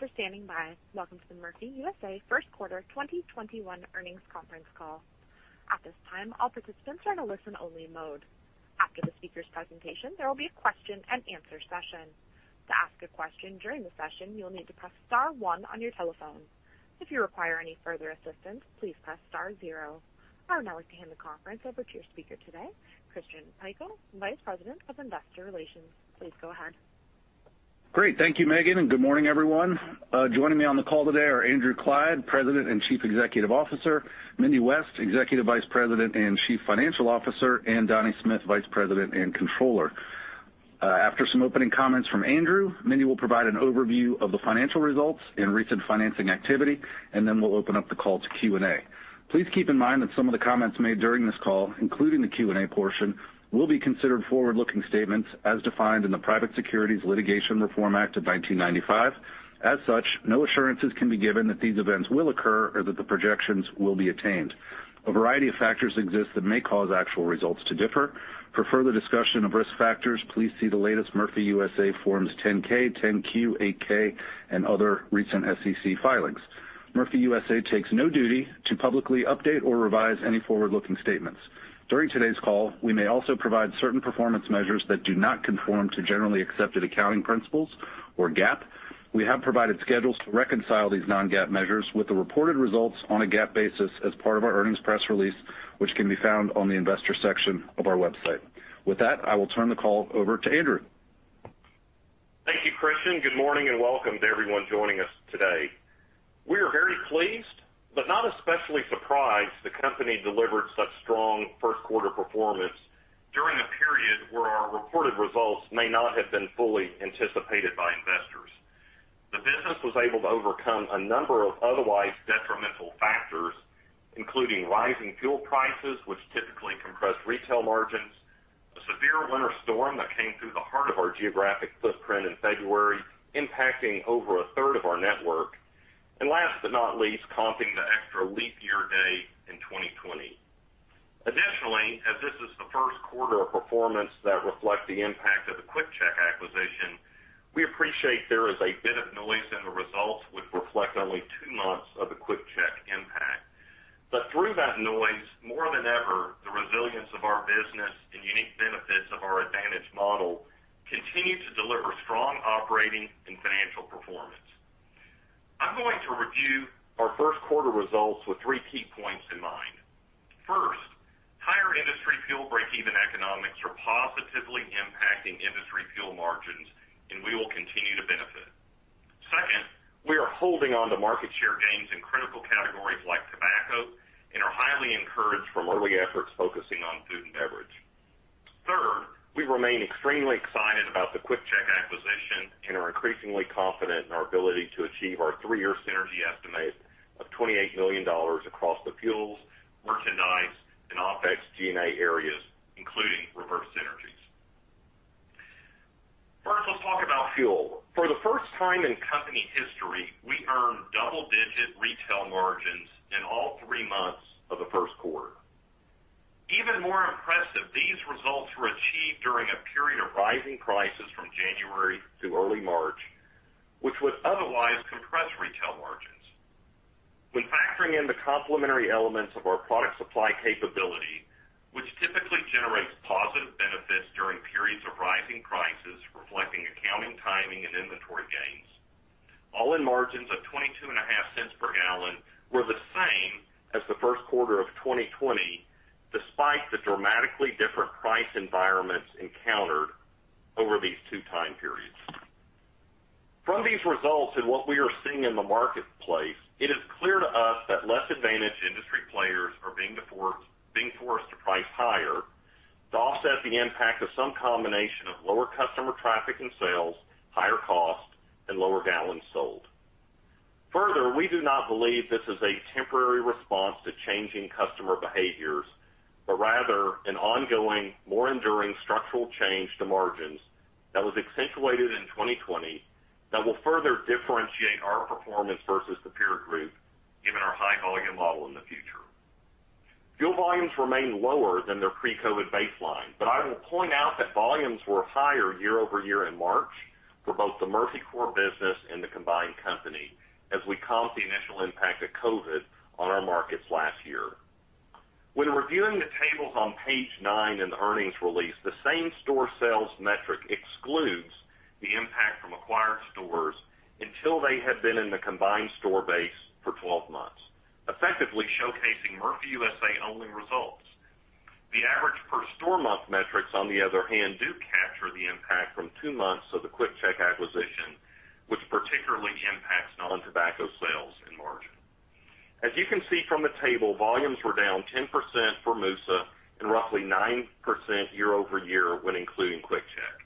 Good day. Thank you for standing by. Welcome to the Murphy USA first quarter 2021 earnings conference call. At this time, all participants are in a listen only mode. After the speaker's presentation, there will be a question and answer session. To ask a question during the session, you'll need to press star one on your telephone. If you require any further assistance, please press star zero. I would now like to hand the conference over to your speaker today, Christian Pikul, Vice President of Investor Relations. Please go ahead. Great. Thank you, Megan. Good morning, everyone. Joining me on the call today are Andrew Clyde, President and Chief Executive Officer, Mindy West, Executive Vice President and Chief Financial Officer, and Donnie Smith, Vice President and Controller. After some opening comments from Andrew, Mindy will provide an overview of the financial results and recent financing activity. We'll open up the call to Q&A. Please keep in mind that some of the comments made during this call, including the Q&A portion, will be considered forward-looking statements as defined in the Private Securities Litigation Reform Act of 1995. As such, no assurances can be given that these events will occur or that the projections will be attained. A variety of factors exist that may cause actual results to differ. For further discussion of risk factors, please see the latest Murphy USA Forms 10-K, 10-Q, 8-K and other recent SEC filings. Murphy USA takes no duty to publicly update or revise any forward-looking statements. During today's call, we may also provide certain performance measures that do not conform to generally accepted accounting principles or GAAP. We have provided schedules to reconcile these non-GAAP measures with the reported results on a GAAP basis as part of our earnings press release, which can be found on the investor section of our website. With that, I will turn the call over to Andrew. Thank you, Christian. Good morning and welcome to everyone joining us today. We are very pleased but not especially surprised the company delivered such strong first quarter performance during a period where our reported results may not have been fully anticipated by investors. The business was able to overcome a number of otherwise detrimental factors, including rising fuel prices, which typically compress retail margins, a severe winter storm that came through the heart of our geographic footprint in February, impacting over a third of our network, and last but not least, comping the extra leap year day in 2020. Additionally, as this is the first quarter of performance that reflect the impact of the QuickChek acquisition, we appreciate there is a bit of noise in the results, which reflect only two months of the QuickChek impact. Through that noise, more than ever, the resilience of our business and unique benefits of our advantage model continue to deliver strong operating and financial performance. I'm going to review our first quarter results with three key points in mind. First, higher industry fuel break-even economics are positively impacting industry fuel margins, and we will continue to benefit. Second, we are holding on to market share gains in critical categories like tobacco and are highly encouraged from early efforts focusing on food and beverage. Third, we remain extremely excited about the QuickChek acquisition and are increasingly confident in our ability to achieve our three-year synergy estimate of $28 million across the fuels, merchandise, and OpEx G&A areas, including reverse synergies. First, let's talk about fuel. For the first time in company history, we earned double-digit retail margins in all three months of the first quarter. Even more impressive, these results were achieved during a period of rising prices from January through early March, which would otherwise compress retail margins. When factoring in the complementary elements of our product supply capability, which typically generates positive benefits during periods of rising prices, reflecting accounting, timing, and inventory gains, all-in margins of $0.225 per gal were the same as the first quarter of 2020, despite the dramatically different price environments encountered over these two time periods. From these results and what we are seeing in the marketplace, it is clear to us that less advantaged industry players are being forced to price higher to offset the impact of some combination of lower customer traffic and sales, higher cost, and lower gallons sold. Further, we do not believe this is a temporary response to changing customer behaviors, but rather an ongoing, more enduring structural change to margins that was accentuated in 2020 that will further differentiate our performance versus the peer group, given our high volume model in the future. Fuel volumes remain lower than their pre-COVID baseline, but I will point out that volumes were higher year-over-year in March for both the Murphy core business and the combined company, as we comp the initial impact of COVID on our markets last year. When reviewing the tables on page nine in the earnings release, the same-store sales metric excludes the impact from acquired stores until they have been in the combined store base for 12 months, effectively showcasing Murphy USA only results. The average per-store-month metrics, on the other hand, do capture the impact from two months of the QuickChek acquisition, which particularly impacts non-tobacco sales and margin. As you can see from the table, volumes were down 10% for MUSA and roughly 9% year-over-year when including QuickChek.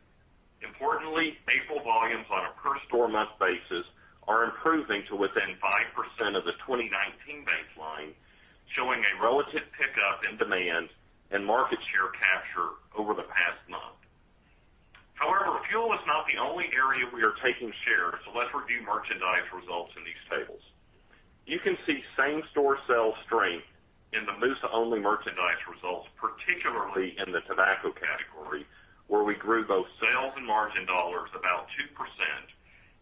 Importantly, April volumes on a per-store-month basis are improving to within 5% of the 2019 baseline, showing a relative pickup in demand and market share capture over the past month. Fuel is not the only area we are taking shares. Let's review merchandise results in these tables. You can see same-store sales strength in the MUSA-only merchandise results, particularly in the tobacco category, where we grew both sales and margin dollars about 2%,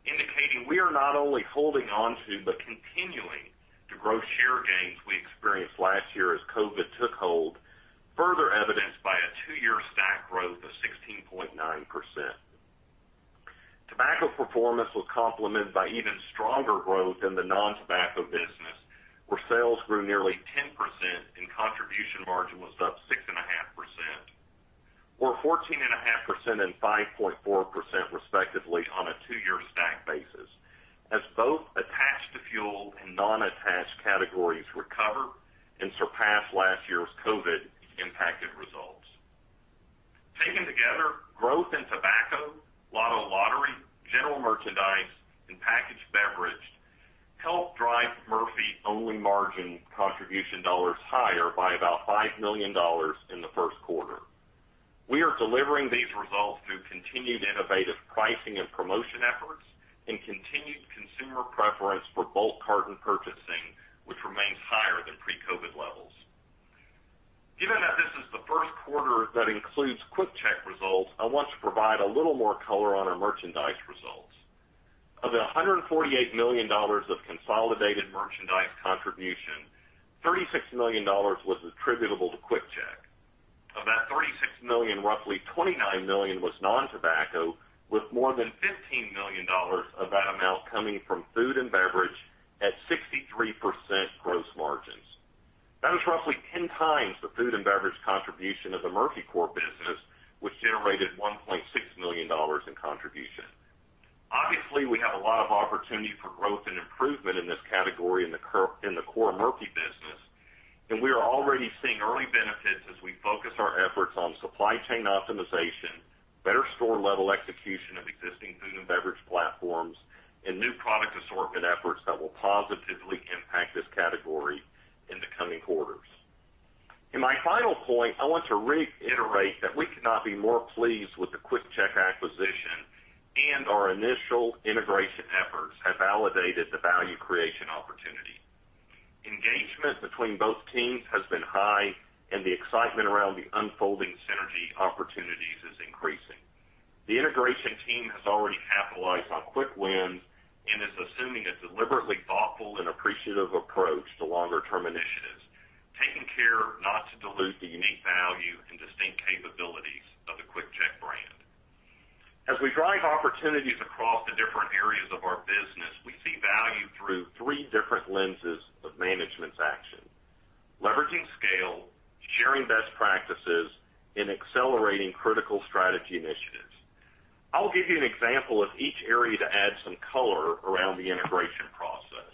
indicating we are not only holding on to, but continuing to grow share gains we experienced last year as COVID took hold, further evidenced by a two-year stack growth of 16.9%. Tobacco performance was complemented by even stronger growth in the non-tobacco business, where sales grew nearly 10% and contribution margin was up 6.5%, or 14.5% and 5.4% respectively on a two-year stack basis, as both attached to fuel and non-attached categories recover and surpass last year's COVID impacted results. Taken together, growth in tobacco, lotto lottery, general merchandise, and packaged beverage helped drive Murphy-only margin contribution dollars higher by about $5 million in the first quarter. We are delivering these results through continued innovative pricing and promotion efforts and continued consumer preference for bulk carton purchasing, which remains higher than pre-COVID levels. Given that this is the first quarter that includes QuickChek results, I want to provide a little more color on our merchandise results. Of the $148 million of consolidated merchandise contribution, $36 million was attributable to QuickChek. Of that $36 million, roughly $29 million was non-tobacco, with more than $15 million of that amount coming from food and beverage at 63% gross margins. That was roughly 10 times the food and beverage contribution of the Murphy core business, which generated $1.6 million in contribution. Obviously, we have a lot of opportunity for growth and improvement in this category in the core Murphy business. We are already seeing early benefits as we focus our efforts on supply chain optimization, better store-level execution of existing food and beverage platforms, and new product assortment efforts that will positively impact this category in the coming quarters. In my final point, I want to reiterate that we could not be more pleased with the QuickChek acquisition. Our initial integration efforts have validated the value creation opportunity. Engagement between both teams has been high. The excitement around the unfolding synergy opportunities is increasing. The integration team has already capitalized on quick wins and is assuming a deliberately thoughtful and appreciative approach to longer-term initiatives, taking care not to dilute the unique value and distinct capabilities of the QuickChek brand. As we drive opportunities across the different areas of our business, we see value through three different lenses of management's action: leveraging scale, sharing best practices, and accelerating critical strategy initiatives. I'll give you an example of each area to add some color around the integration process.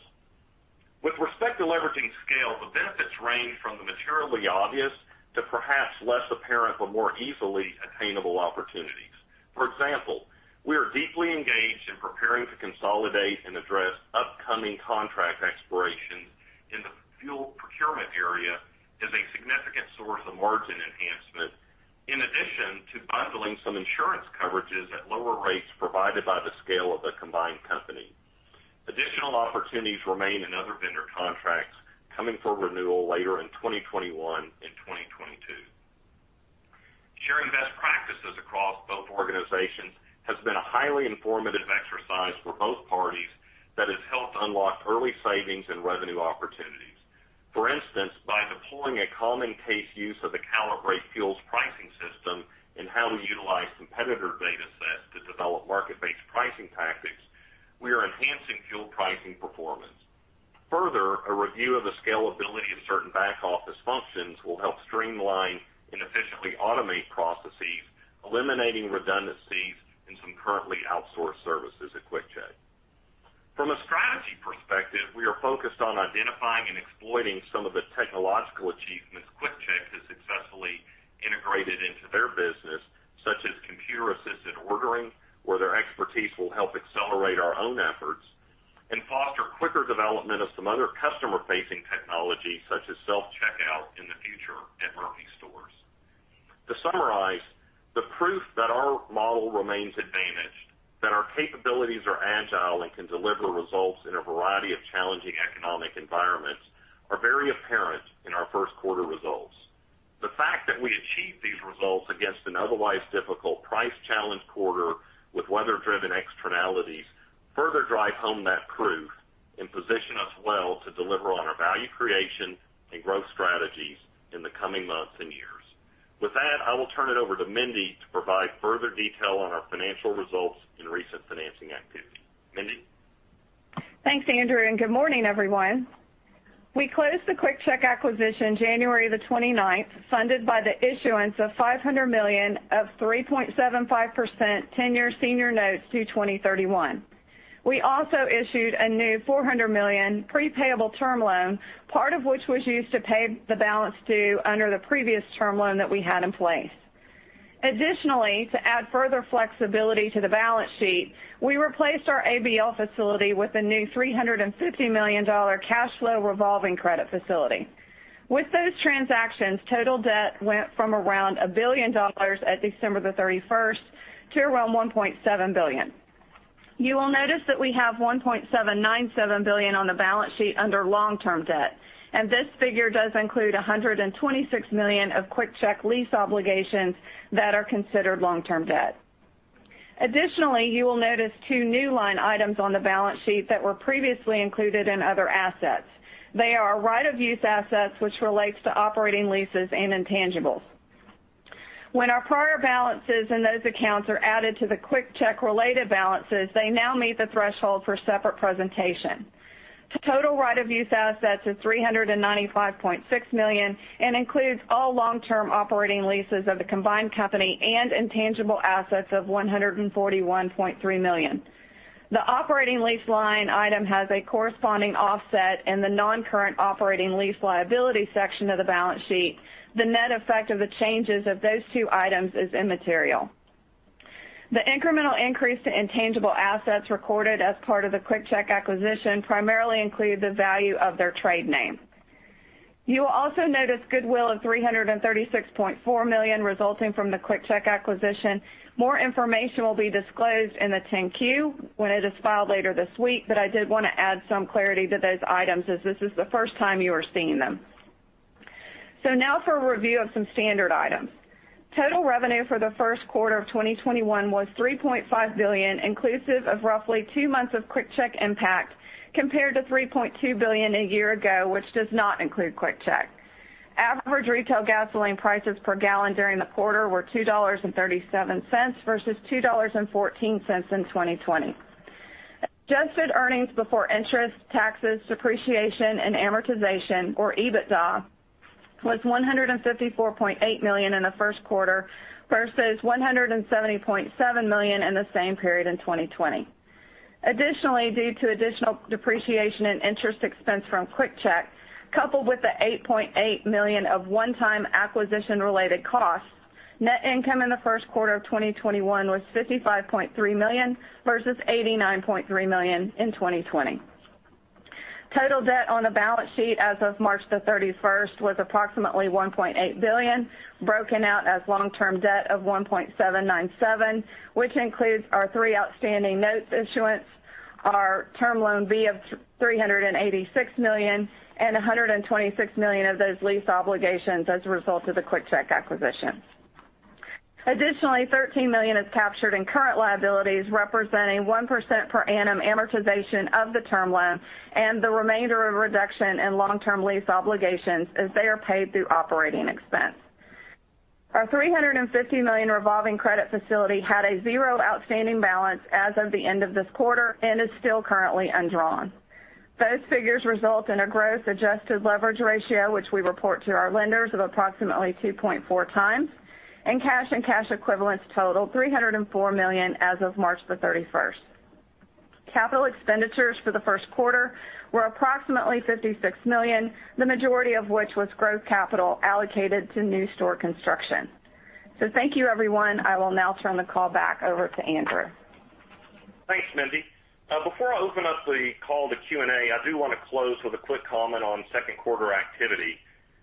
With respect to leveraging scale, the benefits range from the materially obvious to perhaps less apparent but more easily attainable opportunities. For example, we are deeply engaged in preparing to consolidate and address upcoming contract expirations in the fuel procurement area as a significant source of margin enhancement. In addition to bundling some insurance coverages at lower rates provided by the scale of the combined company. Additional opportunities remain in other vendor contracts coming for renewal later in 2021 and 2022. Sharing best practices across both organizations has been a highly informative exercise for both parties that has helped unlock early savings and revenue opportunities. For instance, by deploying a common case use of the Kalibrate Fuel pricing system and how we utilize competitor data sets to develop market-based pricing tactics, we are enhancing fuel pricing performance. Further, a review of the scalability of certain back-office functions will help streamline and efficiently automate processes, eliminating redundancies in some currently outsourced services at QuickChek. From a strategy perspective, we are focused on identifying and exploiting some of the technological achievements QuickChek has successfully integrated into their business, such as computer-assisted ordering, where their expertise will help accelerate our own efforts and foster quicker development of some other customer-facing technology, such as self-checkout in the future at Murphy stores. To summarize, the proof that our model remains advantaged, that our capabilities are agile and can deliver results in a variety of challenging economic environments are very apparent in our first quarter results. The fact that we achieved these results against an otherwise difficult price-challenged quarter with weather-driven externalities further drive home that proof and position us well to deliver on our value creation and growth strategies in the coming months and years. With that, I will turn it over to Mindy to provide further detail on our financial results and recent financing activity. Mindy? Thanks, Andrew, good morning, everyone. We closed the QuickChek acquisition January the 29th, funded by the issuance of $500 million of 3.75% 10-year senior notes due 2031. We also issued a new $400 million pre-payable term loan, part of which was used to pay the balance due under the previous term loan that we had in place. Additionally, to add further flexibility to the balance sheet, we replaced our ABL facility with a new $350 million cash flow revolving credit facility. With those transactions, total debt went from around $1 billion at December the 31st to around $1.7 billion. You will notice that we have $1.797 billion on the balance sheet under long-term debt, and this figure does include $126 million of QuickChek lease obligations that are considered long-term debt. Additionally, you will notice two new line items on the balance sheet that were previously included in other assets. They are right of use assets, which relates to operating leases and intangibles. When our prior balances in those accounts are added to the QuickChek related balances, they now meet the threshold for separate presentation. The total right of use assets is $395.6 million and includes all long-term operating leases of the combined company and intangible assets of $141.3 million. The operating lease line item has a corresponding offset in the non-current operating lease liability section of the balance sheet. The net effect of the changes of those two items is immaterial. The incremental increase to intangible assets recorded as part of the QuickChek acquisition primarily include the value of their trade name. You will also notice goodwill of $336.4 million resulting from the QuickChek acquisition. More information will be disclosed in the 10-Q when it is filed later this week. I did want to add some clarity to those items, as this is the first time you are seeing them. Now for a review of some standard items. Total revenue for the first quarter of 2021 was $3.5 billion, inclusive of roughly two months of QuickChek impact, compared to $3.2 billion a year ago, which does not include QuickChek. Average retail gasoline prices per gallon during the quarter were $2.37 versus $2.14 in 2020. Adjusted earnings before interest, taxes, depreciation, and amortization, or EBITDA, was $154.8 million in the first quarter versus $170.7 million in the same period in 2020. Additionally, due to additional depreciation and interest expense from QuickChek, coupled with the $8.8 million of one-time acquisition related costs, net income in the first quarter of 2021 was $55.3 million versus $89.3 million in 2020. Total debt on the balance sheet as of March the 31st was approximately $1.8 billion, broken out as long-term debt of $1.797, which includes our three outstanding notes issuance, our Term Loan B of $386 million and $126 million of those lease obligations as a result of the QuickChek acquisition. Additionally, $13 million is captured in current liabilities, representing 1% per annum amortization of the term loan and the remainder of reduction in long-term lease obligations as they are paid through operating expense. Our $350 million revolving credit facility had a zero outstanding balance as of the end of this quarter and is still currently undrawn. Those figures result in a gross adjusted leverage ratio, which we report to our lenders of approximately 2.4x, and cash and cash equivalents totaled $304 million as of March the 31st. Capital expenditures for the first quarter were approximately $56 million, the majority of which was growth capital allocated to new store construction. Thank you, everyone. I will now turn the call back over to Andrew. Thanks, Mindy. Before I open up the call to Q&A, I do want to close with a quick comment on second quarter activity.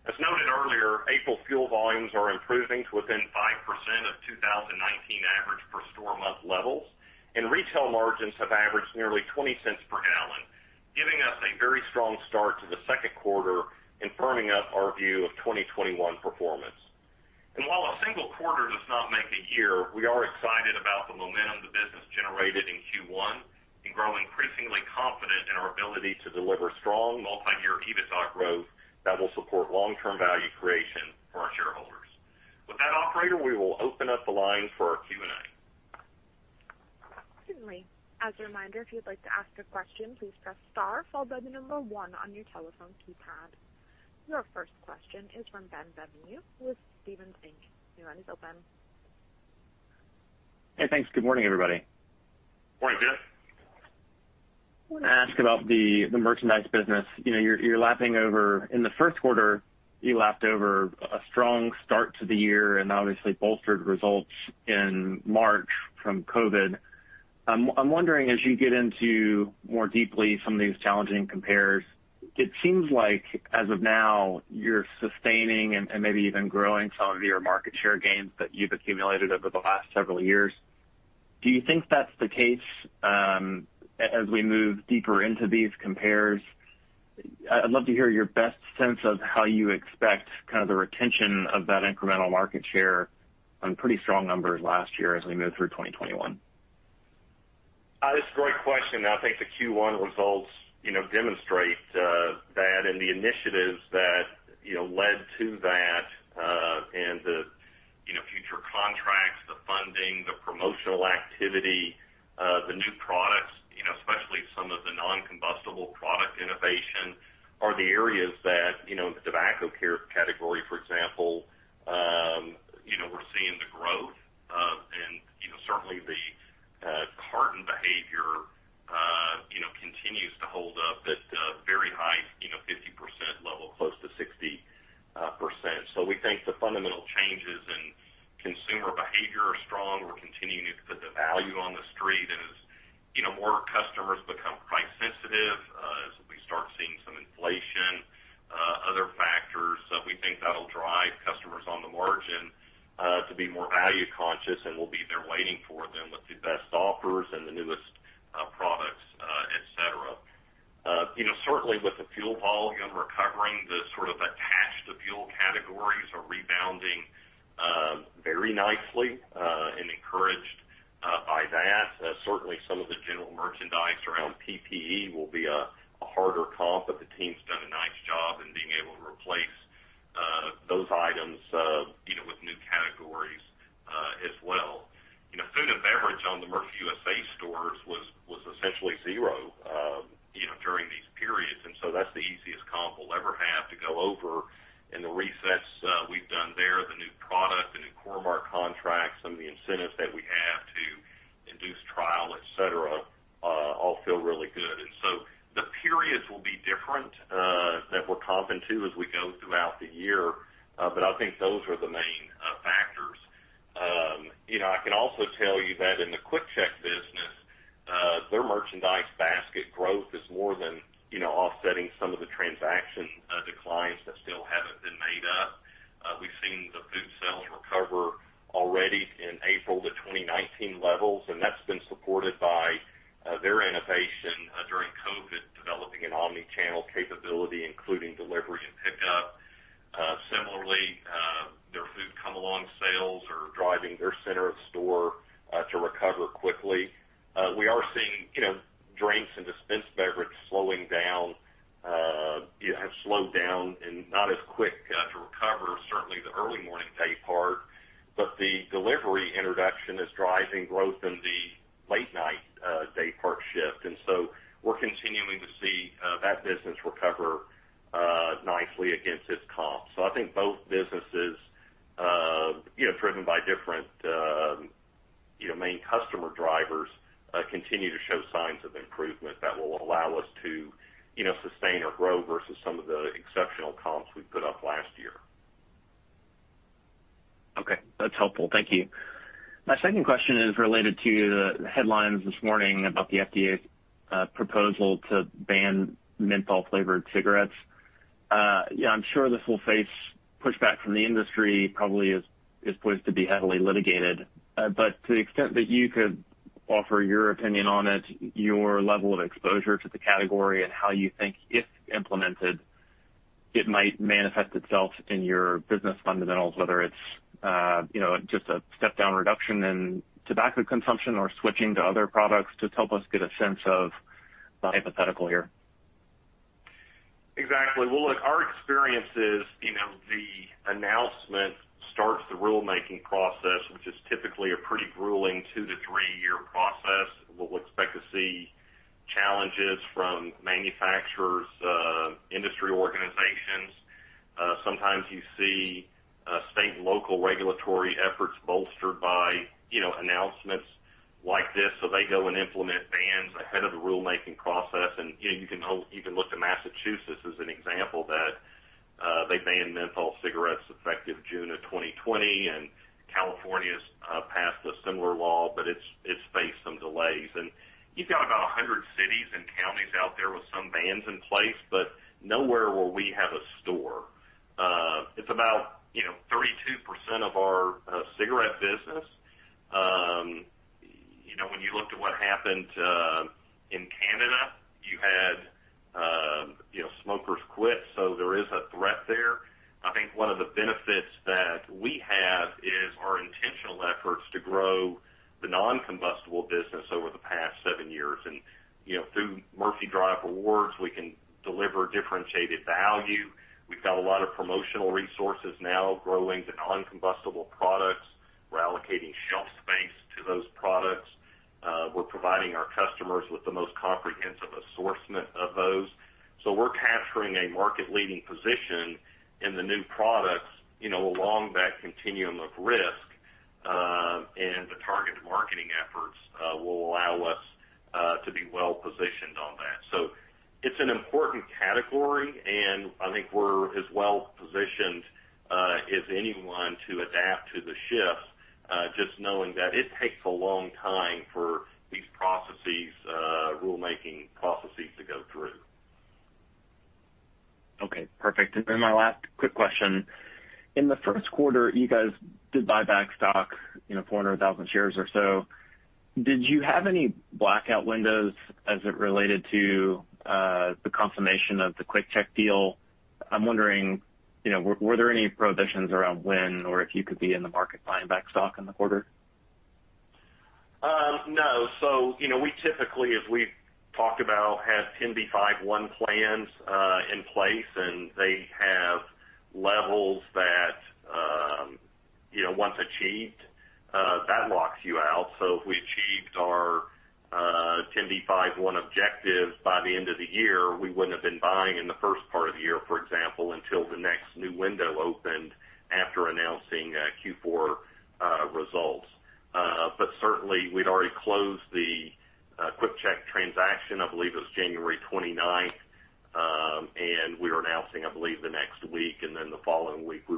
As noted earlier, April fuel volumes are improving to within 5% of 2019 average per store month levels, and retail margins have averaged nearly $0.20 per gal, giving us a very strong start to the second quarter and firming up our view of 2021 performance. While a single quarter does not make a year, we are excited about the momentum the business generated in Q1 and grow increasingly confident in our ability to deliver strong multi-year EBITDA growth that will support long-term value creation for our shareholders. With that, operator, we will open up the line for our Q&A. Certainly. As a reminder, if you'd like to ask a question, please press star followed by the number one on your telephone keypad. Your first question is from Ben Bienvenu with Stephens Inc. Your line is open. Hey, thanks. Good morning, everybody. Morning, Ben. I want to ask about the merchandise business. In the first quarter, you lapped over a strong start to the year and obviously bolstered results in March from COVID. I'm wondering, as you get into more deeply some of these challenging compares, it seems like as of now, you're sustaining and maybe even growing some of your market share gains that you've accumulated over the last several years. Do you think that's the case as we move deeper into these compares? I'd love to hear your best sense of how you expect kind of the retention of that incremental market share on pretty strong numbers last year as we move through 2021. It's a great question. I think the Q1 results demonstrate that and the initiatives that led to that and the future contracts, the funding, the promotional activity, the new products, that in the QuickChek business, their merchandise basket growth is more than offsetting some of the transaction declines that still haven't been made up. We've seen the food sales recover already in April to 2019 levels, and that's been supported by their innovation during COVID, developing an omni-channel capability, including delivery and pickup. Similarly, their food come-along sales are driving their center of store to recover quickly. We are seeing drinks and dispensed beverage slowing down, have slowed down and not as quick to recover, certainly the early morning day part, but the delivery introduction is driving growth in the late night day part shift. We're continuing to see that business recover nicely against its comps. I think both businesses, driven by different main customer drivers, continue to show signs of improvement that will allow us to sustain or grow versus some of the exceptional comps we put up last year. Okay, that's helpful. Thank you. My second question is related to the headlines this morning about the FDA's proposal to ban menthol flavored cigarettes. I'm sure this will face pushback from the industry, probably is poised to be heavily litigated. To the extent that you could offer your opinion on it, your level of exposure to the category, and how you think, if implemented, it might manifest itself in your business fundamentals, whether it's just a step down reduction in tobacco consumption or switching to other products. Just help us get a sense of the hypothetical here. Exactly. Well, look, our experience is the announcement starts the rulemaking process, which is typically a pretty grueling two to three year process. We'll expect to see challenges from manufacturers, industry organizations. Sometimes you see state and local regulatory efforts bolstered by announcements like this, so they go and implement bans ahead of the rulemaking process. You can look to Massachusetts as an example, that they banned menthol cigarettes effective June of 2020. California's passed a similar law, but it's faced some delays. You've got about 100 cities and counties out there with some bans in place, but nowhere where we have a store. It's about 32% of our cigarette business. When you looked at what happened in Canada, you had smokers quit. There is a threat there. I think one of the benefits that we have is our intentional efforts to grow the non-combustible business over the past seven years. Through Murphy Drive Rewards, we can deliver differentiated value. We've got a lot of promotional resources now growing the non-combustible products. We're allocating shelf space to those products. We're providing our customers with the most comprehensive assortment of those. We're capturing a market leading position in the new products along that continuum of risk, and the targeted marketing efforts will allow us to be well-positioned on that. It's an important category, and I think we're as well-positioned as anyone to adapt to the shift, just knowing that it takes a long time for these rulemaking processes to go through. Okay, perfect. My last quick question. In the first quarter, you guys did buy back stock, 400,000 shares or so. Did you have any blackout windows as it related to the confirmation of the QuickChek deal? I'm wondering, were there any prohibitions around when or if you could be in the market buying back stock in the quarter? No. We typically, as we've talked about, have 10b5-1 plans in place, and they have levels that once achieved, that locks you out. If we achieved our 10b5-1 objective by the end of the year, we wouldn't have been buying in the first part of the year, for example, until the next new window opened after announcing Q4 results. Certainly, we'd already closed the QuickChek transaction, I believe it was January 29th, and we were announcing, I believe, the next week, and then the following week, we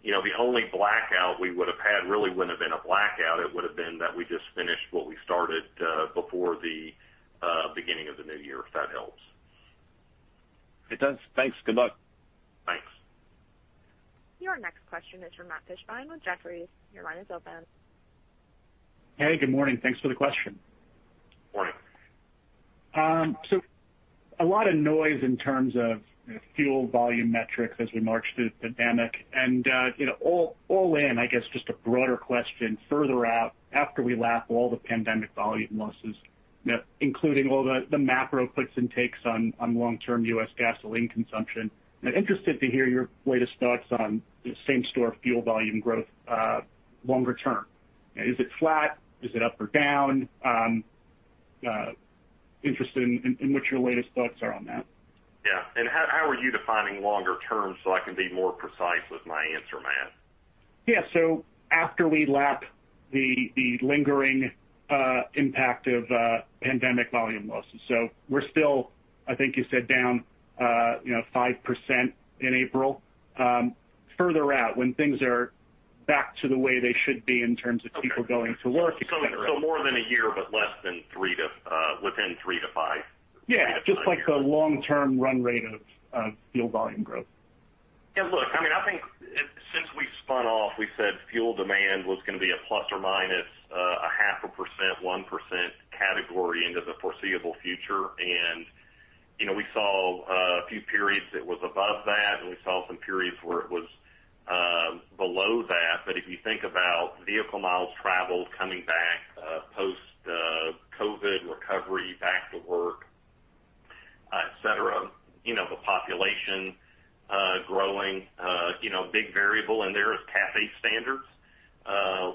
would have had another. The only blackout we would have had really wouldn't have been a blackout. It would have been that we just finished what we started before the beginning of the new year, if that helps. It does. Thanks. Good luck. Thanks. Your next question is from Matt Fishbein with Jefferies. Your line is open. Hey, good morning. Thanks for the question. Morning. A lot of noise in terms of fuel volume metrics as we march through the pandemic, all in, I guess, just a broader question further out after we lap all the pandemic volume losses, including all the macro puts and takes on long-term U.S. gasoline consumption. I'm interested to hear your latest thoughts on same-store fuel volume growth longer term. Is it flat? Is it up or down? I'm interested in what your latest thoughts are on that. Yeah. How are you defining longer term, so I can be more precise with my answer, Matt? Yeah. After we lap the lingering impact of pandemic volume losses. We're still, I think you said, down 5% in April. Further out when things are back to the way they should be in terms of people going to work, et cetera. More than a year, but within three to five? Yeah. Just like the long-term run rate of fuel volume growth. Look, I think since we spun off, we said fuel demand was going to be a ±0.5%, 1% category into the foreseeable future, and we saw a few periods that was above that, and we saw some periods where it was below that. If you think about vehicle miles traveled, coming back post-COVID, recovery, back to work, et cetera, the population growing. Big variable in there is CAFE standards.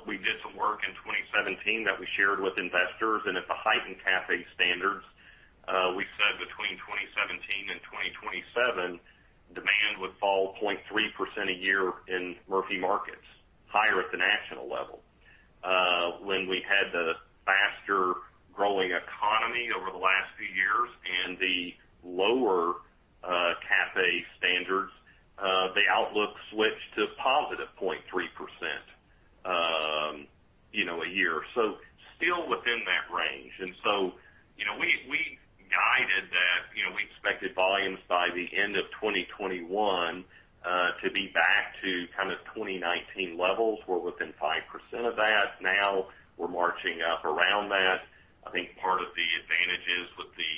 We did some work in 2017 that we shared with investors, and at the heightened CAFE standards, we said between 2017 and 2027, demand would fall 0.3% a year in Murphy markets, higher at the national level. When we had the faster-growing economy over the last few years and the lower CAFE standards, the outlook switched to positive 0.3% a year. Still within that range. We guided that we expected volumes by the end of 2021 to be back to kind of 2019 levels. We're within 5% of that now. We're marching up around that. I think part of the advantage is with the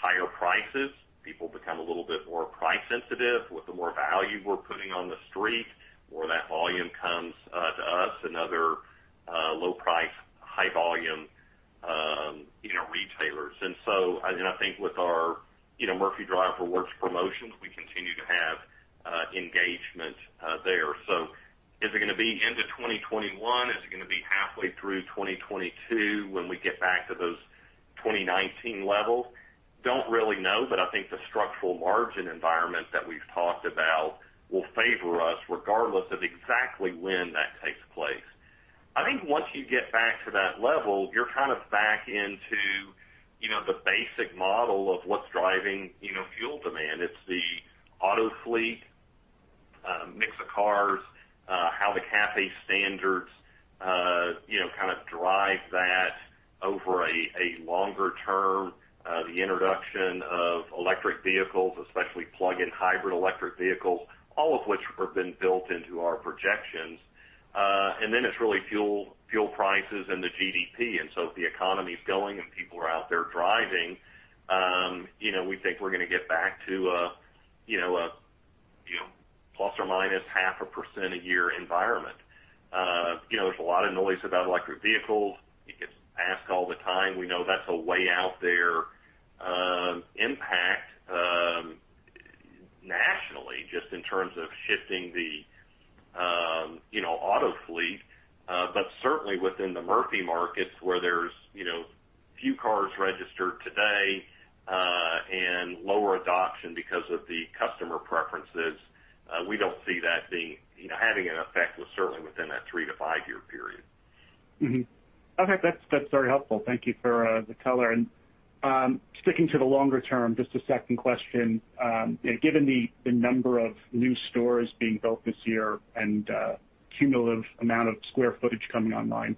higher prices, people become a little bit more price sensitive with the more value we're putting on the street, where that volume comes to us and other low price, high volume retailers. I think with our Murphy Drive Rewards promotions, we continue to have engagement there. Is it going to be into 2021? Is it going to be halfway through 2022 when we get back to those 2019 levels? Don't really know, but I think the structural margin environment that we've talked about will favor us regardless of exactly when that takes place. I think once you get back to that level, you're kind of back into the basic model of what's driving fuel demand. It's the auto fleet, mix of cars, how the CAFE standards kind of drive that over a longer term, the introduction of electric vehicles, especially plug-in hybrid electric vehicles, all of which have been built into our projections. It's really fuel prices and the GDP. If the economy's going and people are out there driving, we think we're gonna get back to a ±0.5% a year environment. There's a lot of noise about electric vehicles. You get asked all the time. We know that's a way out there impact nationally just in terms of shifting the auto fleet. Certainly within the Murphy markets where there's few cars registered today, and lower adoption because of the customer preferences, we don't see that having an effect certainly within that three to five-year period. Mm-hmm. Okay. That's very helpful. Thank you for the color. Sticking to the longer term, just a second question. Given the number of new stores being built this year and cumulative amount of square footage coming online,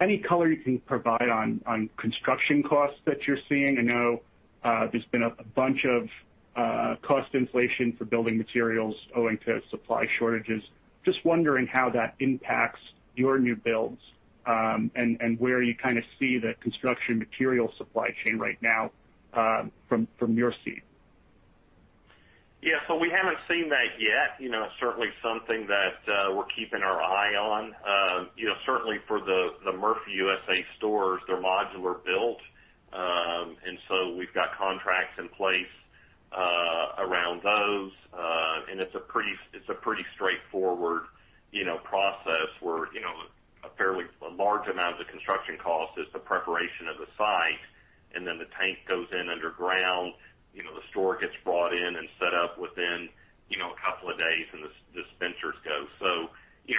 any color you can provide on construction costs that you're seeing? I know there's been a bunch of cost inflation for building materials owing to supply shortages. Just wondering how that impacts your new builds, and where you kind of see the construction material supply chain right now from your seat. Yeah. We haven't seen that yet. Certainly something that we're keeping our eye on. Certainly for the Murphy USA stores, they're modular built. We've got contracts in place around those. It's a pretty straightforward process where a fairly large amount of the construction cost is the preparation of the site, and then the tank goes in underground. The store gets brought in and set up within a couple of days.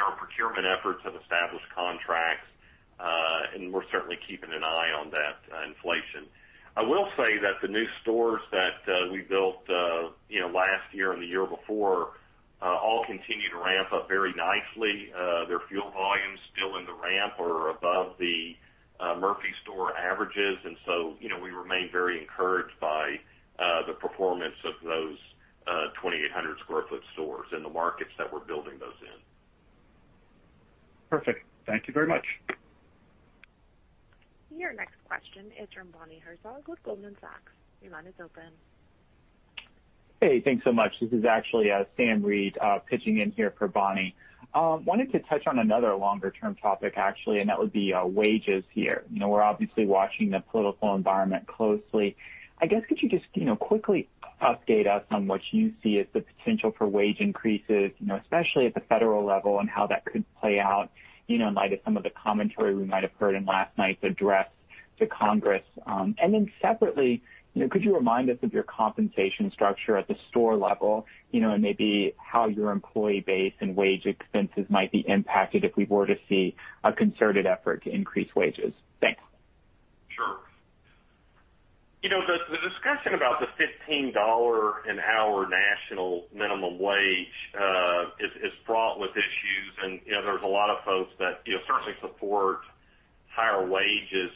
Our procurement efforts have established contracts, and we're certainly keeping an eye on that inflation. I will say that the new stores that we built last year and the year before all continue to ramp up very nicely. Their fuel volumes still in the ramp are above the Murphy store averages. We remain very encouraged by the performance of those 2,800 sq ft stores in the markets that we're building those in. Perfect. Thank you very much. Your next question is from Bonnie Herzog with Goldman Sachs. Your line is open. Hey, thanks so much. This is actually Sam Reid pitching in here for Bonnie. Wanted to touch on another longer-term topic, actually, and that would be wages here. We're obviously watching the political environment closely. I guess, could you just quickly update us on what you see as the potential for wage increases, especially at the federal level, and how that could play out in light of some of the commentary we might have heard in last night's address to Congress? Separately, could you remind us of your compensation structure at the store level, and maybe how your employee base and wage expenses might be impacted if we were to see a concerted effort to increase wages? Thanks. Sure. The discussion about the $15 an hour national minimum wage is fraught with issues, and there's a lot of folks that certainly support higher wages.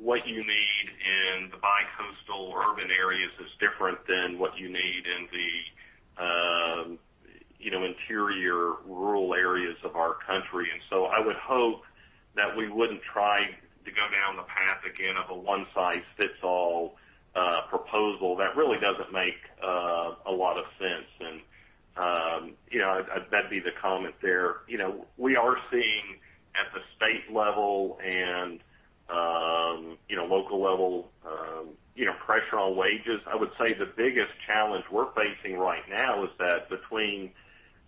What you need in the bicoastal urban areas is different than what you need in the interior rural areas of our country. I would hope that we wouldn't try to go down the path again of a one-size-fits-all proposal that really doesn't make a lot of sense. That'd be the comment there. We are seeing at the state level and local level pressure on wages. I would say the biggest challenge we're facing right now is that between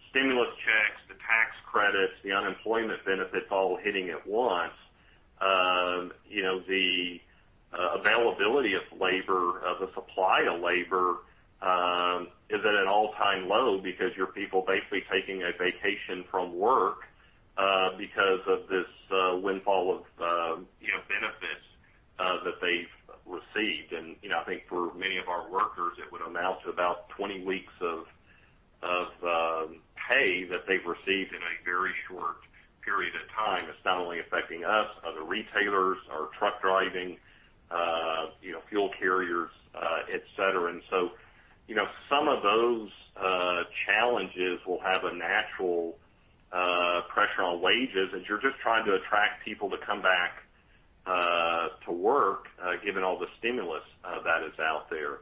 stimulus checks, the tax credits, the unemployment benefits all hitting at once, the availability of labor, of the supply of labor, is at an all-time low because our people basically taking a vacation from work because of this windfall of benefits that they've received. I think for many of our workers, it would amount to about 20 weeks of pay that they've received in a very short period of time. It's not only affecting us, other retailers, our truck driving, fuel carriers, et cetera. Some of those challenges will have a natural pressure on wages, and you're just trying to attract people to come back to work given all the stimulus that is out there.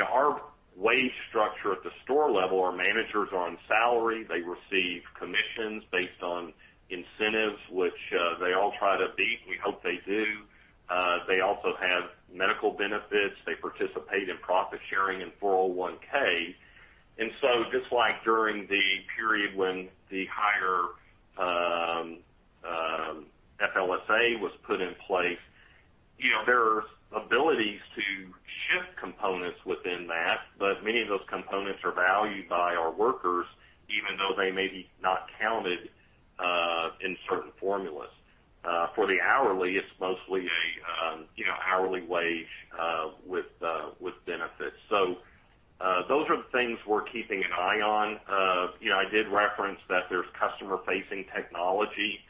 Our wage structure at the store level, our managers are on salary. They receive commissions based on incentives, which they all try to beat. We hope they do. They also have medical benefits. They participate in profit sharing and 401. Just like during the period when the higher FLSA was put in place, there are abilities to shift components within that, but many of those components are valued by our workers, even though they may be not counted in certain formulas. For the hourly, it's mostly a hourly wage with benefits. Those are the things we're keeping an eye on. I did reference that there's customer-facing technology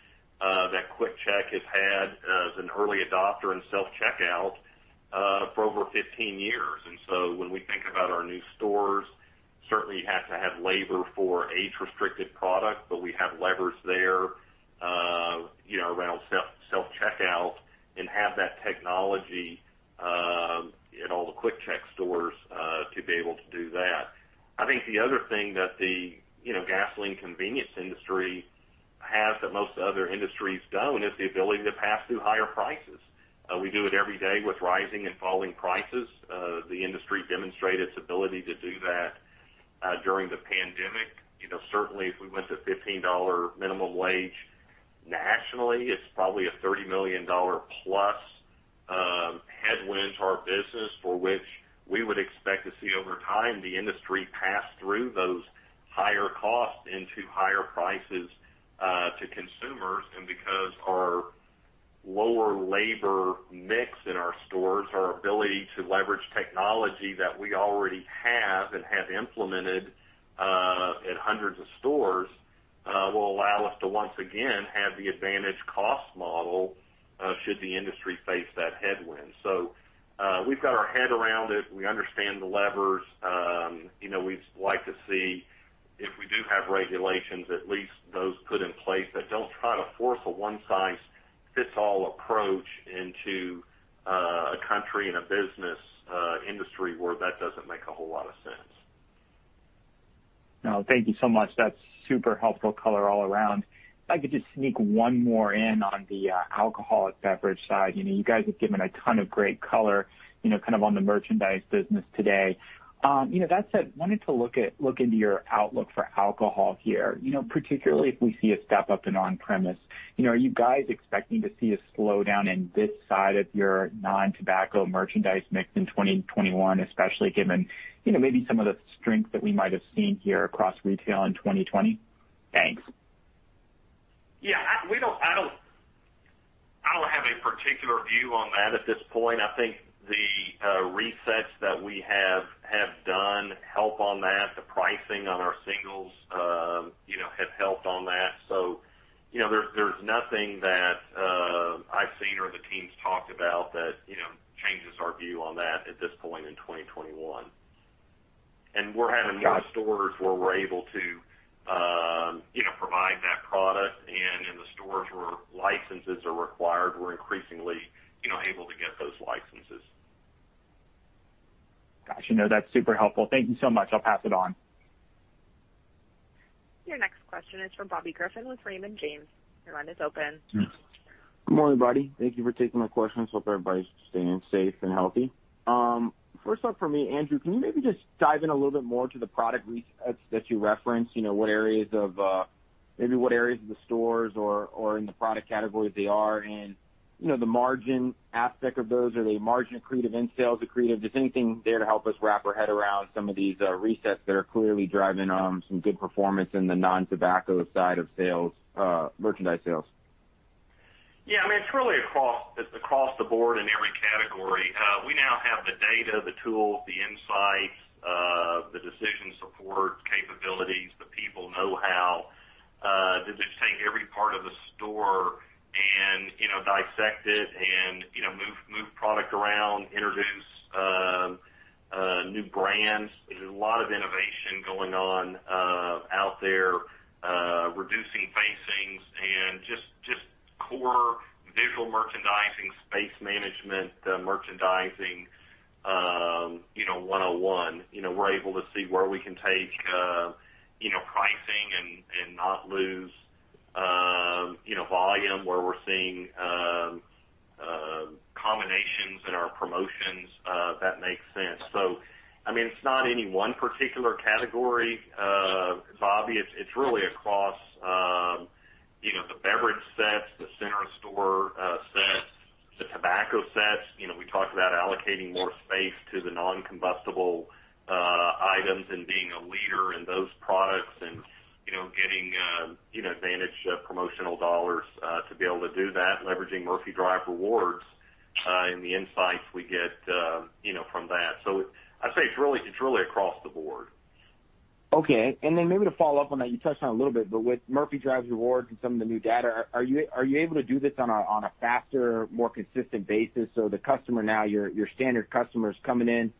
that QuickChek has had as an early adopter in self-checkout for over 15 years. When we think about our new stores, certainly you have to have labor for age-restricted product, but we have levers there around self-checkout and have that technology at all the QuickChek stores to be able to do that. I think the other thing that the gasoline convenience industry has that most other industries don't is the ability to pass through higher prices. We do it every day with rising and falling prices. The industry demonstrated its ability to do that during the pandemic. Certainly, if we went to 15 minimum wage nationally, it's probably a $30 million-plus headwind to our business, for which we would expect to see over time the industry pass through those higher costs into higher prices to consumers. Because our lower labor mix in our stores, our ability to leverage technology that we already have and have implemented at hundreds of stores will allow us to once again have the advantage cost model should the industry face that headwind. We've got our head around it. We understand the levers. We'd like to see if we do have regulations, at least those put in place that don't try to force a one-size-fits-all approach into a country and a business industry where that doesn't make a whole lot of sense. No, thank you so much. That's super helpful color all around. If I could just sneak one more in on the alcoholic beverage side. You guys have given a ton of great color kind of on the merchandise business today. That said, wanted to look into your outlook for alcohol here, particularly if we see a step up in on-premise. Are you guys expecting to see a slowdown in this side of your non-tobacco merchandise mix in 2021, especially given maybe some of the strength that we might have seen here across retail in 2020? Thanks. Yeah. Particular view on that at this point. I think the resets that we have done help on that. The pricing on our singles has helped on that. There's nothing that I've seen or the teams talked about that changes our view on that at this point in 2021. We're having more stores where we're able to provide that product and in the stores where licenses are required, we're increasingly able to get those licenses. Got you. No, that's super helpful. Thank you so much. I'll pass it on. Your next question is from Bobby Griffin with Raymond James. Your line is open. Good morning, everybody. Thank you for taking my questions. Hope everybody's staying safe and healthy. First up for me, Andrew, can you maybe just dive in a little bit more to the product resets that you referenced? Maybe what areas of the stores or in the product categories they are and the margin aspect of those? Are they margin accretive in sales accretive? Just anything there to help us wrap our head around some of these resets that are clearly driving some good performance in the non-tobacco side of merchandise sales? Yeah, it's really across the board in every category. We now have the data, the tools, the insights, the decision support capabilities, the people know-how to just take every part of the store and dissect it and move product around, introduce new brands. There's a lot of innovation going on out there. Reducing facings and just core visual merchandising, space management, merchandising 101. We're able to see where we can take pricing and not lose volume where we're seeing combinations in our promotions that make sense. It's not any one particular category, Bobby. It's really across the beverage sets, the center store sets, the tobacco sets. We talked about allocating more space to the non-combustible items and being a leader in those products and getting advantage of promotional dollars to be able to do that, leveraging Murphy Drive Rewards, and the insights we get from that. I'd say it's really across the board. Okay. Maybe to follow up on that, you touched on it a little bit, but with Murphy Drive Rewards and some of the new data, are you able to do this on a faster, more consistent basis? The customer now, your standard customer is coming in,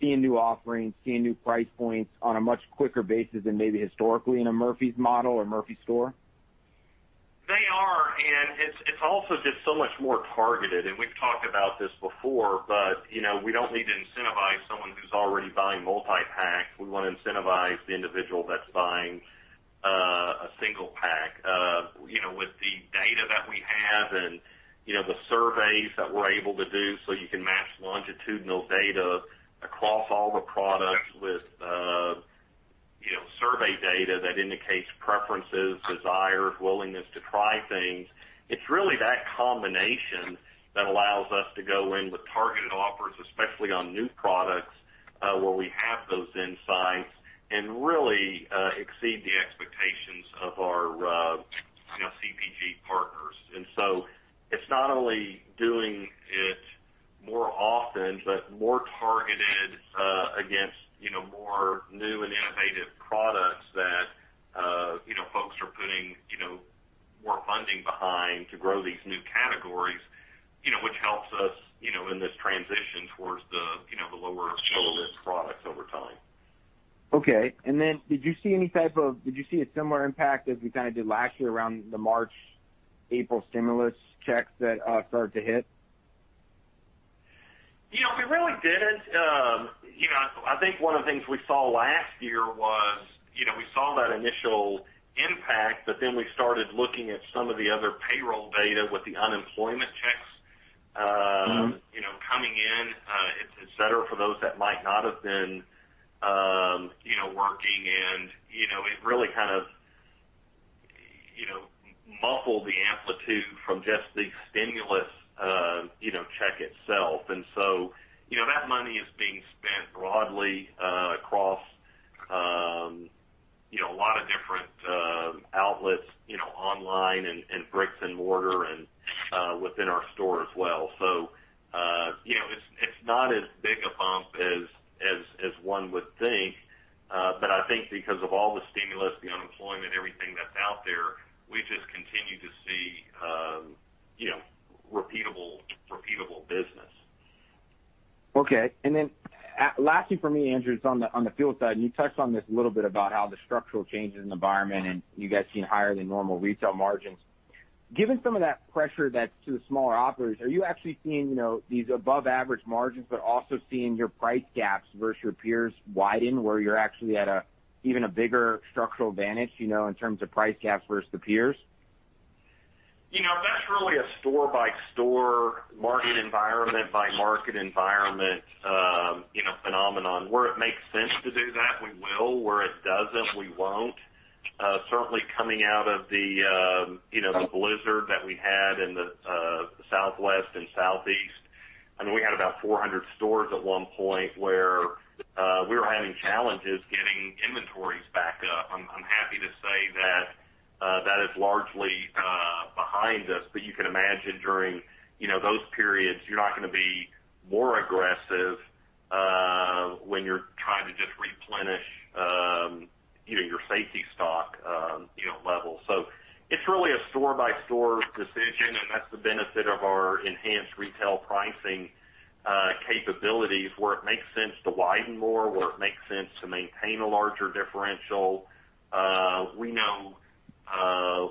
seeing new offerings, seeing new price points on a much quicker basis than maybe historically in a Murphy's model or Murphy store? They are, and it's also just so much more targeted, and we've talked about this before, but we don't need to incentivize someone who's already buying multi-pack. We want to incentivize the individual that's buying a single pack. With the data that we have and the surveys that we're able to do, so you can match longitudinal data across all the products with survey data that indicates preferences, desires, willingness to try things. It's really that combination that allows us to go in with targeted offers, especially on new products, where we have those insights and really exceed the expectations of our CPG partners. It's not only doing it more often, but more targeted against more new and innovative products that folks are putting more funding behind to grow these new categories, which helps us in this transition towards the lower list products over time. Okay. Did you see a similar impact as we did last year around the March, April stimulus checks that started to hit? We really didn't. I think one of the things we saw last year was, we saw that initial impact, but then we started looking at some of the other payroll data with the unemployment checks. Coming in, et cetera, for those that might not have been working. It really kind of muffled the amplitude from just the stimulus check itself. That money is being spent broadly across a lot of different outlets, online and bricks and mortar and within our store as well. It's not as big a bump as one would think. I think because of all the stimulus, the unemployment, everything that's out there, we just continue to see repeatable business. Okay. Lastly for me, Andrew, it's on the fuel side, and you touched on this a little bit about how the structural changes in the environment, and you guys seeing higher than normal retail margins. Given some of that pressure to the smaller operators, are you actually seeing these above-average margins, but also seeing your price gaps versus your peers widen, where you're actually at a even a bigger structural advantage, in terms of price gaps versus the peers? That's really a store-by-store, market environment-by-market environment phenomenon. Where it makes sense to do that, we will. Where it doesn't, we won't. Certainly, coming out of the blizzard that we had in the Southwest and Southeast, we had about 400 stores at one point where we were having challenges getting inventories back up. I'm happy to say that is largely behind us. You can imagine during those periods, you're not going to be more aggressive when you're trying to just replenish your safety stock level. It's really a store-by-store decision, and that's the benefit of our enhanced retail pricing capabilities, where it makes sense to widen more, where it makes sense to maintain a larger differential. We know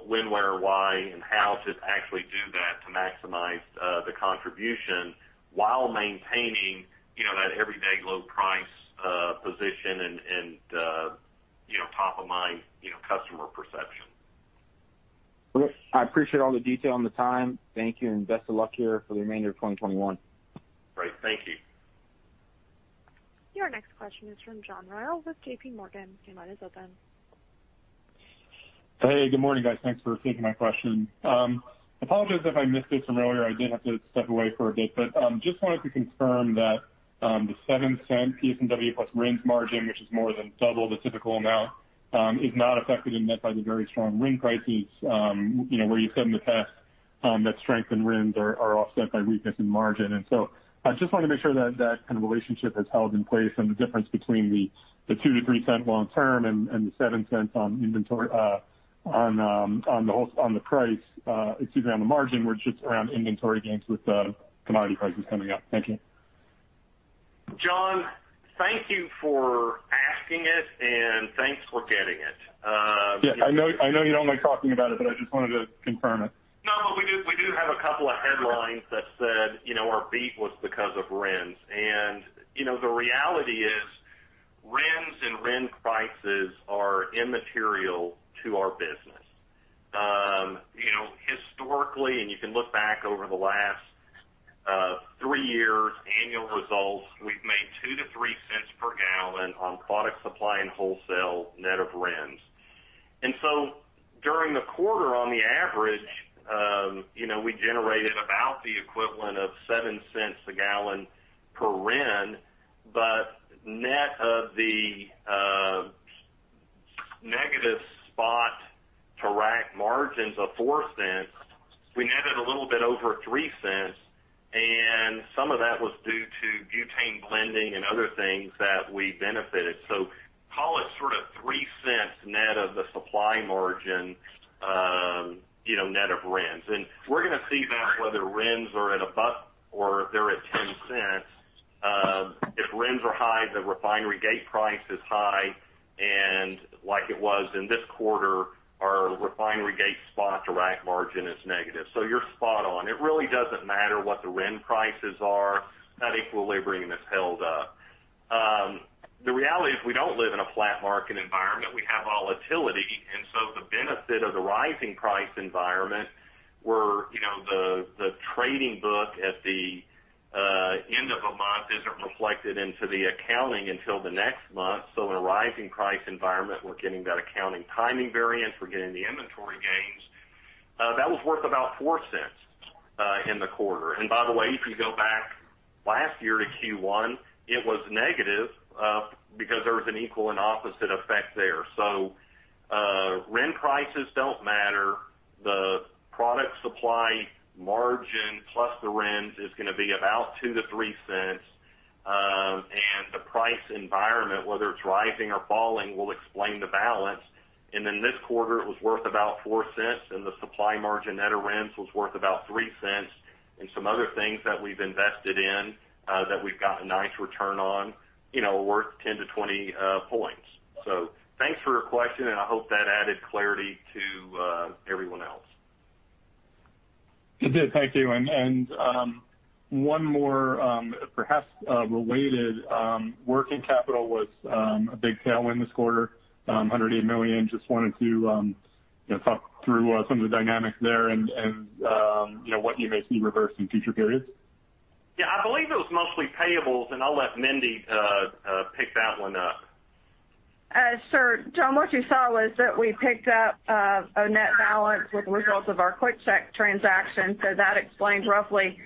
when, where, why, and how to actually do that to maximize the contribution while maintaining that everyday low price position and top-of-mind customer perception. I appreciate all the detail and the time. Thank you, and best of luck here for the remainder of 2021. Great. Thank you. Your next question is from John Royall with JPMorgan. Your line is open. Hey, good morning, guys. Thanks for taking my question. Apologies if I missed this from earlier. I did have to step away for a bit, but just wanted to confirm that the $0.07 PS&W plus RINs margin, which is more than double the typical amount, is not affected and met by the very strong RIN prices, where you said in the past that strength in RINs are offset by weakness in margin. I just want to make sure that that kind of relationship is held in place and the difference between the $0.02-$0.03 long term and the $0.07 on the price, excuse me, on the margin, were just around inventory gains with commodity prices coming up. Thank you. John, thank you for asking it, and thanks for getting it. Yeah, I know you don't like talking about it, but I just wanted to confirm it. No, we do have a couple of headlines that said our beat was because of RINs. The reality is RINs and RIN prices are immaterial to our business. Historically, you can look back over the last three years' annual results, we've made $0.02-$0.03 per gal on product supply and wholesale net of RINs. During the quarter, on the average, we generated about the equivalent of $0.07 a gal per RIN. Net of the negative spot to rack margins of $0.04, we netted a little bit over $0.03, and some of that was due to butane blending and other things that we benefited. Call it sort of $0.03 net of the supply margin net of RINs. We're going to see that whether RINs are at $1 or if they're at $0.10. If RINs are high, the refinery gate price is high, like it was in this quarter, our refinery gate spot to rack margin is negative. You're spot on. It really doesn't matter what the RIN prices are. That equilibrium is held up. The reality is we don't live in a flat market environment. We have volatility, the benefit of the rising price environment where the trading book at the end of a month isn't reflected into the accounting until the next month. In a rising price environment, we're getting that accounting timing variance. We're getting the inventory gains. That was worth about $0.04 in the quarter. By the way, if you go back last year to Q1, it was negative because there was an equal and opposite effect there. RIN prices don't matter. The product supply margin plus the RINs is going to be about $0.02-$0.03. The price environment, whether it's rising or falling, will explain the balance. In this quarter, it was worth about $0.04, and the supply margin net of RINs was worth about $0.03. Some other things that we've invested in that we've got a nice return on, worth 10-20 points. Thanks for your question, and I hope that added clarity to everyone else. It did. Thank you. One more perhaps related. Working capital was a big tailwind this quarter, $108 million. Just wanted to talk through some of the dynamics there and what you may see reverse in future periods. Yeah, I believe it was mostly payables, and I'll let Mindy pick that one up. Sure. John, what you saw was that we picked up a net balance with the results of our QuickChek transaction. That explains roughly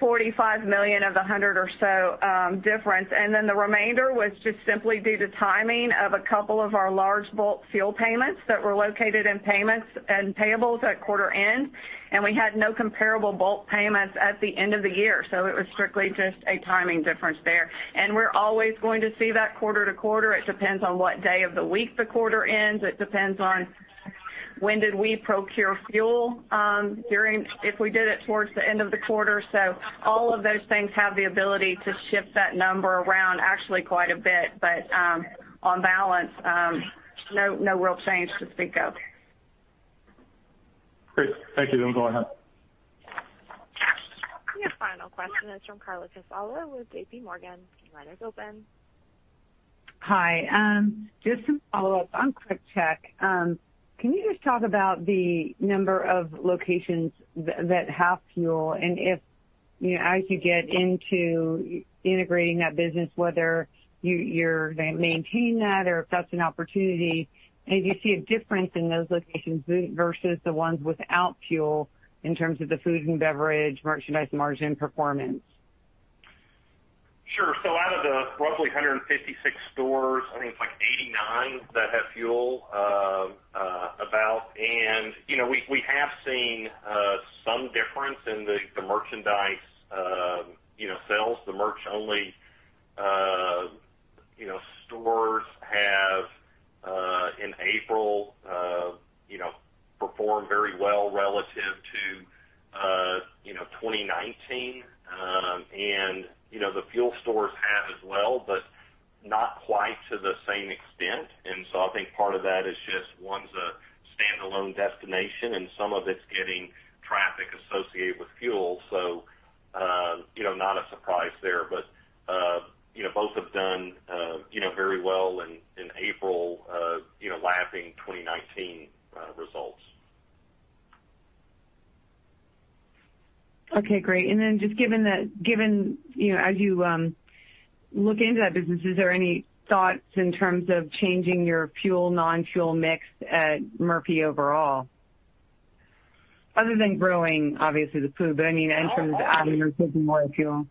$45 million of the 100 or so difference. The remainder was just simply due to timing of a couple of our large bulk fuel payments that were located in payments and payables at quarter end. We had no comparable bulk payments at the end of the year. It was strictly just a timing difference there. We're always going to see that quarter to quarter. It depends on what day of the week the quarter ends. It depends on when did we procure fuel during, if we did it towards the end of the quarter. All of those things have the ability to shift that number around actually quite a bit. On balance, no real change to speak of. Great. Thank you. Go ahead. Your final question is from Carla Casella with JPMorgan. Your line is open. Hi. Just some follow-up on QuickChek. Can you just talk about the number of locations that have fuel? As you get into integrating that business, whether you maintain that or if that's an opportunity, and if you see a difference in those locations versus the ones without fuel in terms of the food and beverage merchandise margin performance. Sure. Out of the roughly 156 stores, I think it's like 89 that have fuel, about. We have seen some difference in the merchandise sales. The merch only stores have, in April, performed very well relative to 2019. The fuel stores have as well, but not quite to the same extent. I think part of that is just one's a standalone destination, and some of it's getting traffic associated with fuel. Not a surprise there. Both have done very well in April, lapping 2019 results. Okay, great. Just given as you look into that business, is there any thoughts in terms of changing your fuel, non-fuel mix at Murphy overall? Other than growing, obviously, the food, but I mean in terms of adding or taking more fuel.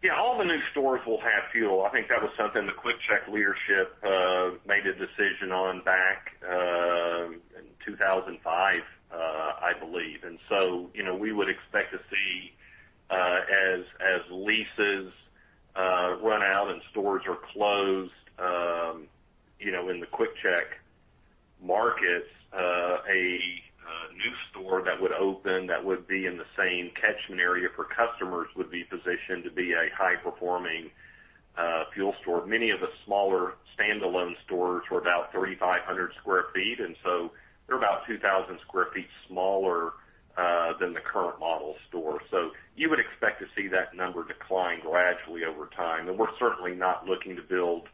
Yeah, all the new stores will have fuel. I think that was something the QuickChek leadership made a decision on back in 2005, I believe. We would expect to see, as leases run out and stores are closed in the QuickChek markets, a new store that would open that would be in the same catchment area for customers would be positioned to be a high performing fuel store. Many of the smaller standalone stores were about 3,500 sq ft, and so they're about 2,000 sq ft smaller than the current model store. You would expect to see that number decline gradually over time, and we're certainly not looking to build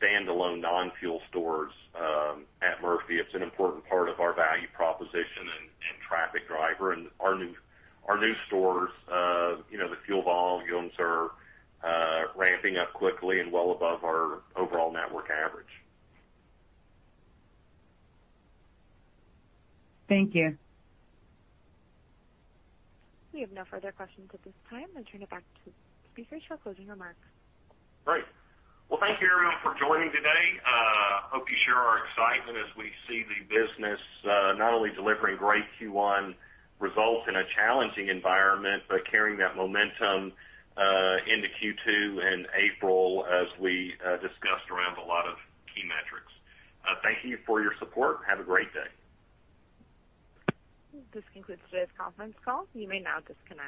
standalone non-fuel stores at Murphy. It's an important part of our value proposition and traffic driver. Our new stores, the fuel volumes are ramping up quickly and well above our overall network average. Thank you. We have no further questions at this time. I'll turn it back to the speakers for closing remarks. Great. Well, thank you everyone for joining today. Hope you share our excitement as we see the business not only delivering great Q1 results in a challenging environment, but carrying that momentum into Q2 and April as we discussed around a lot of key metrics. Thank you for your support. Have a great day. This concludes today's conference call. You may now disconnect.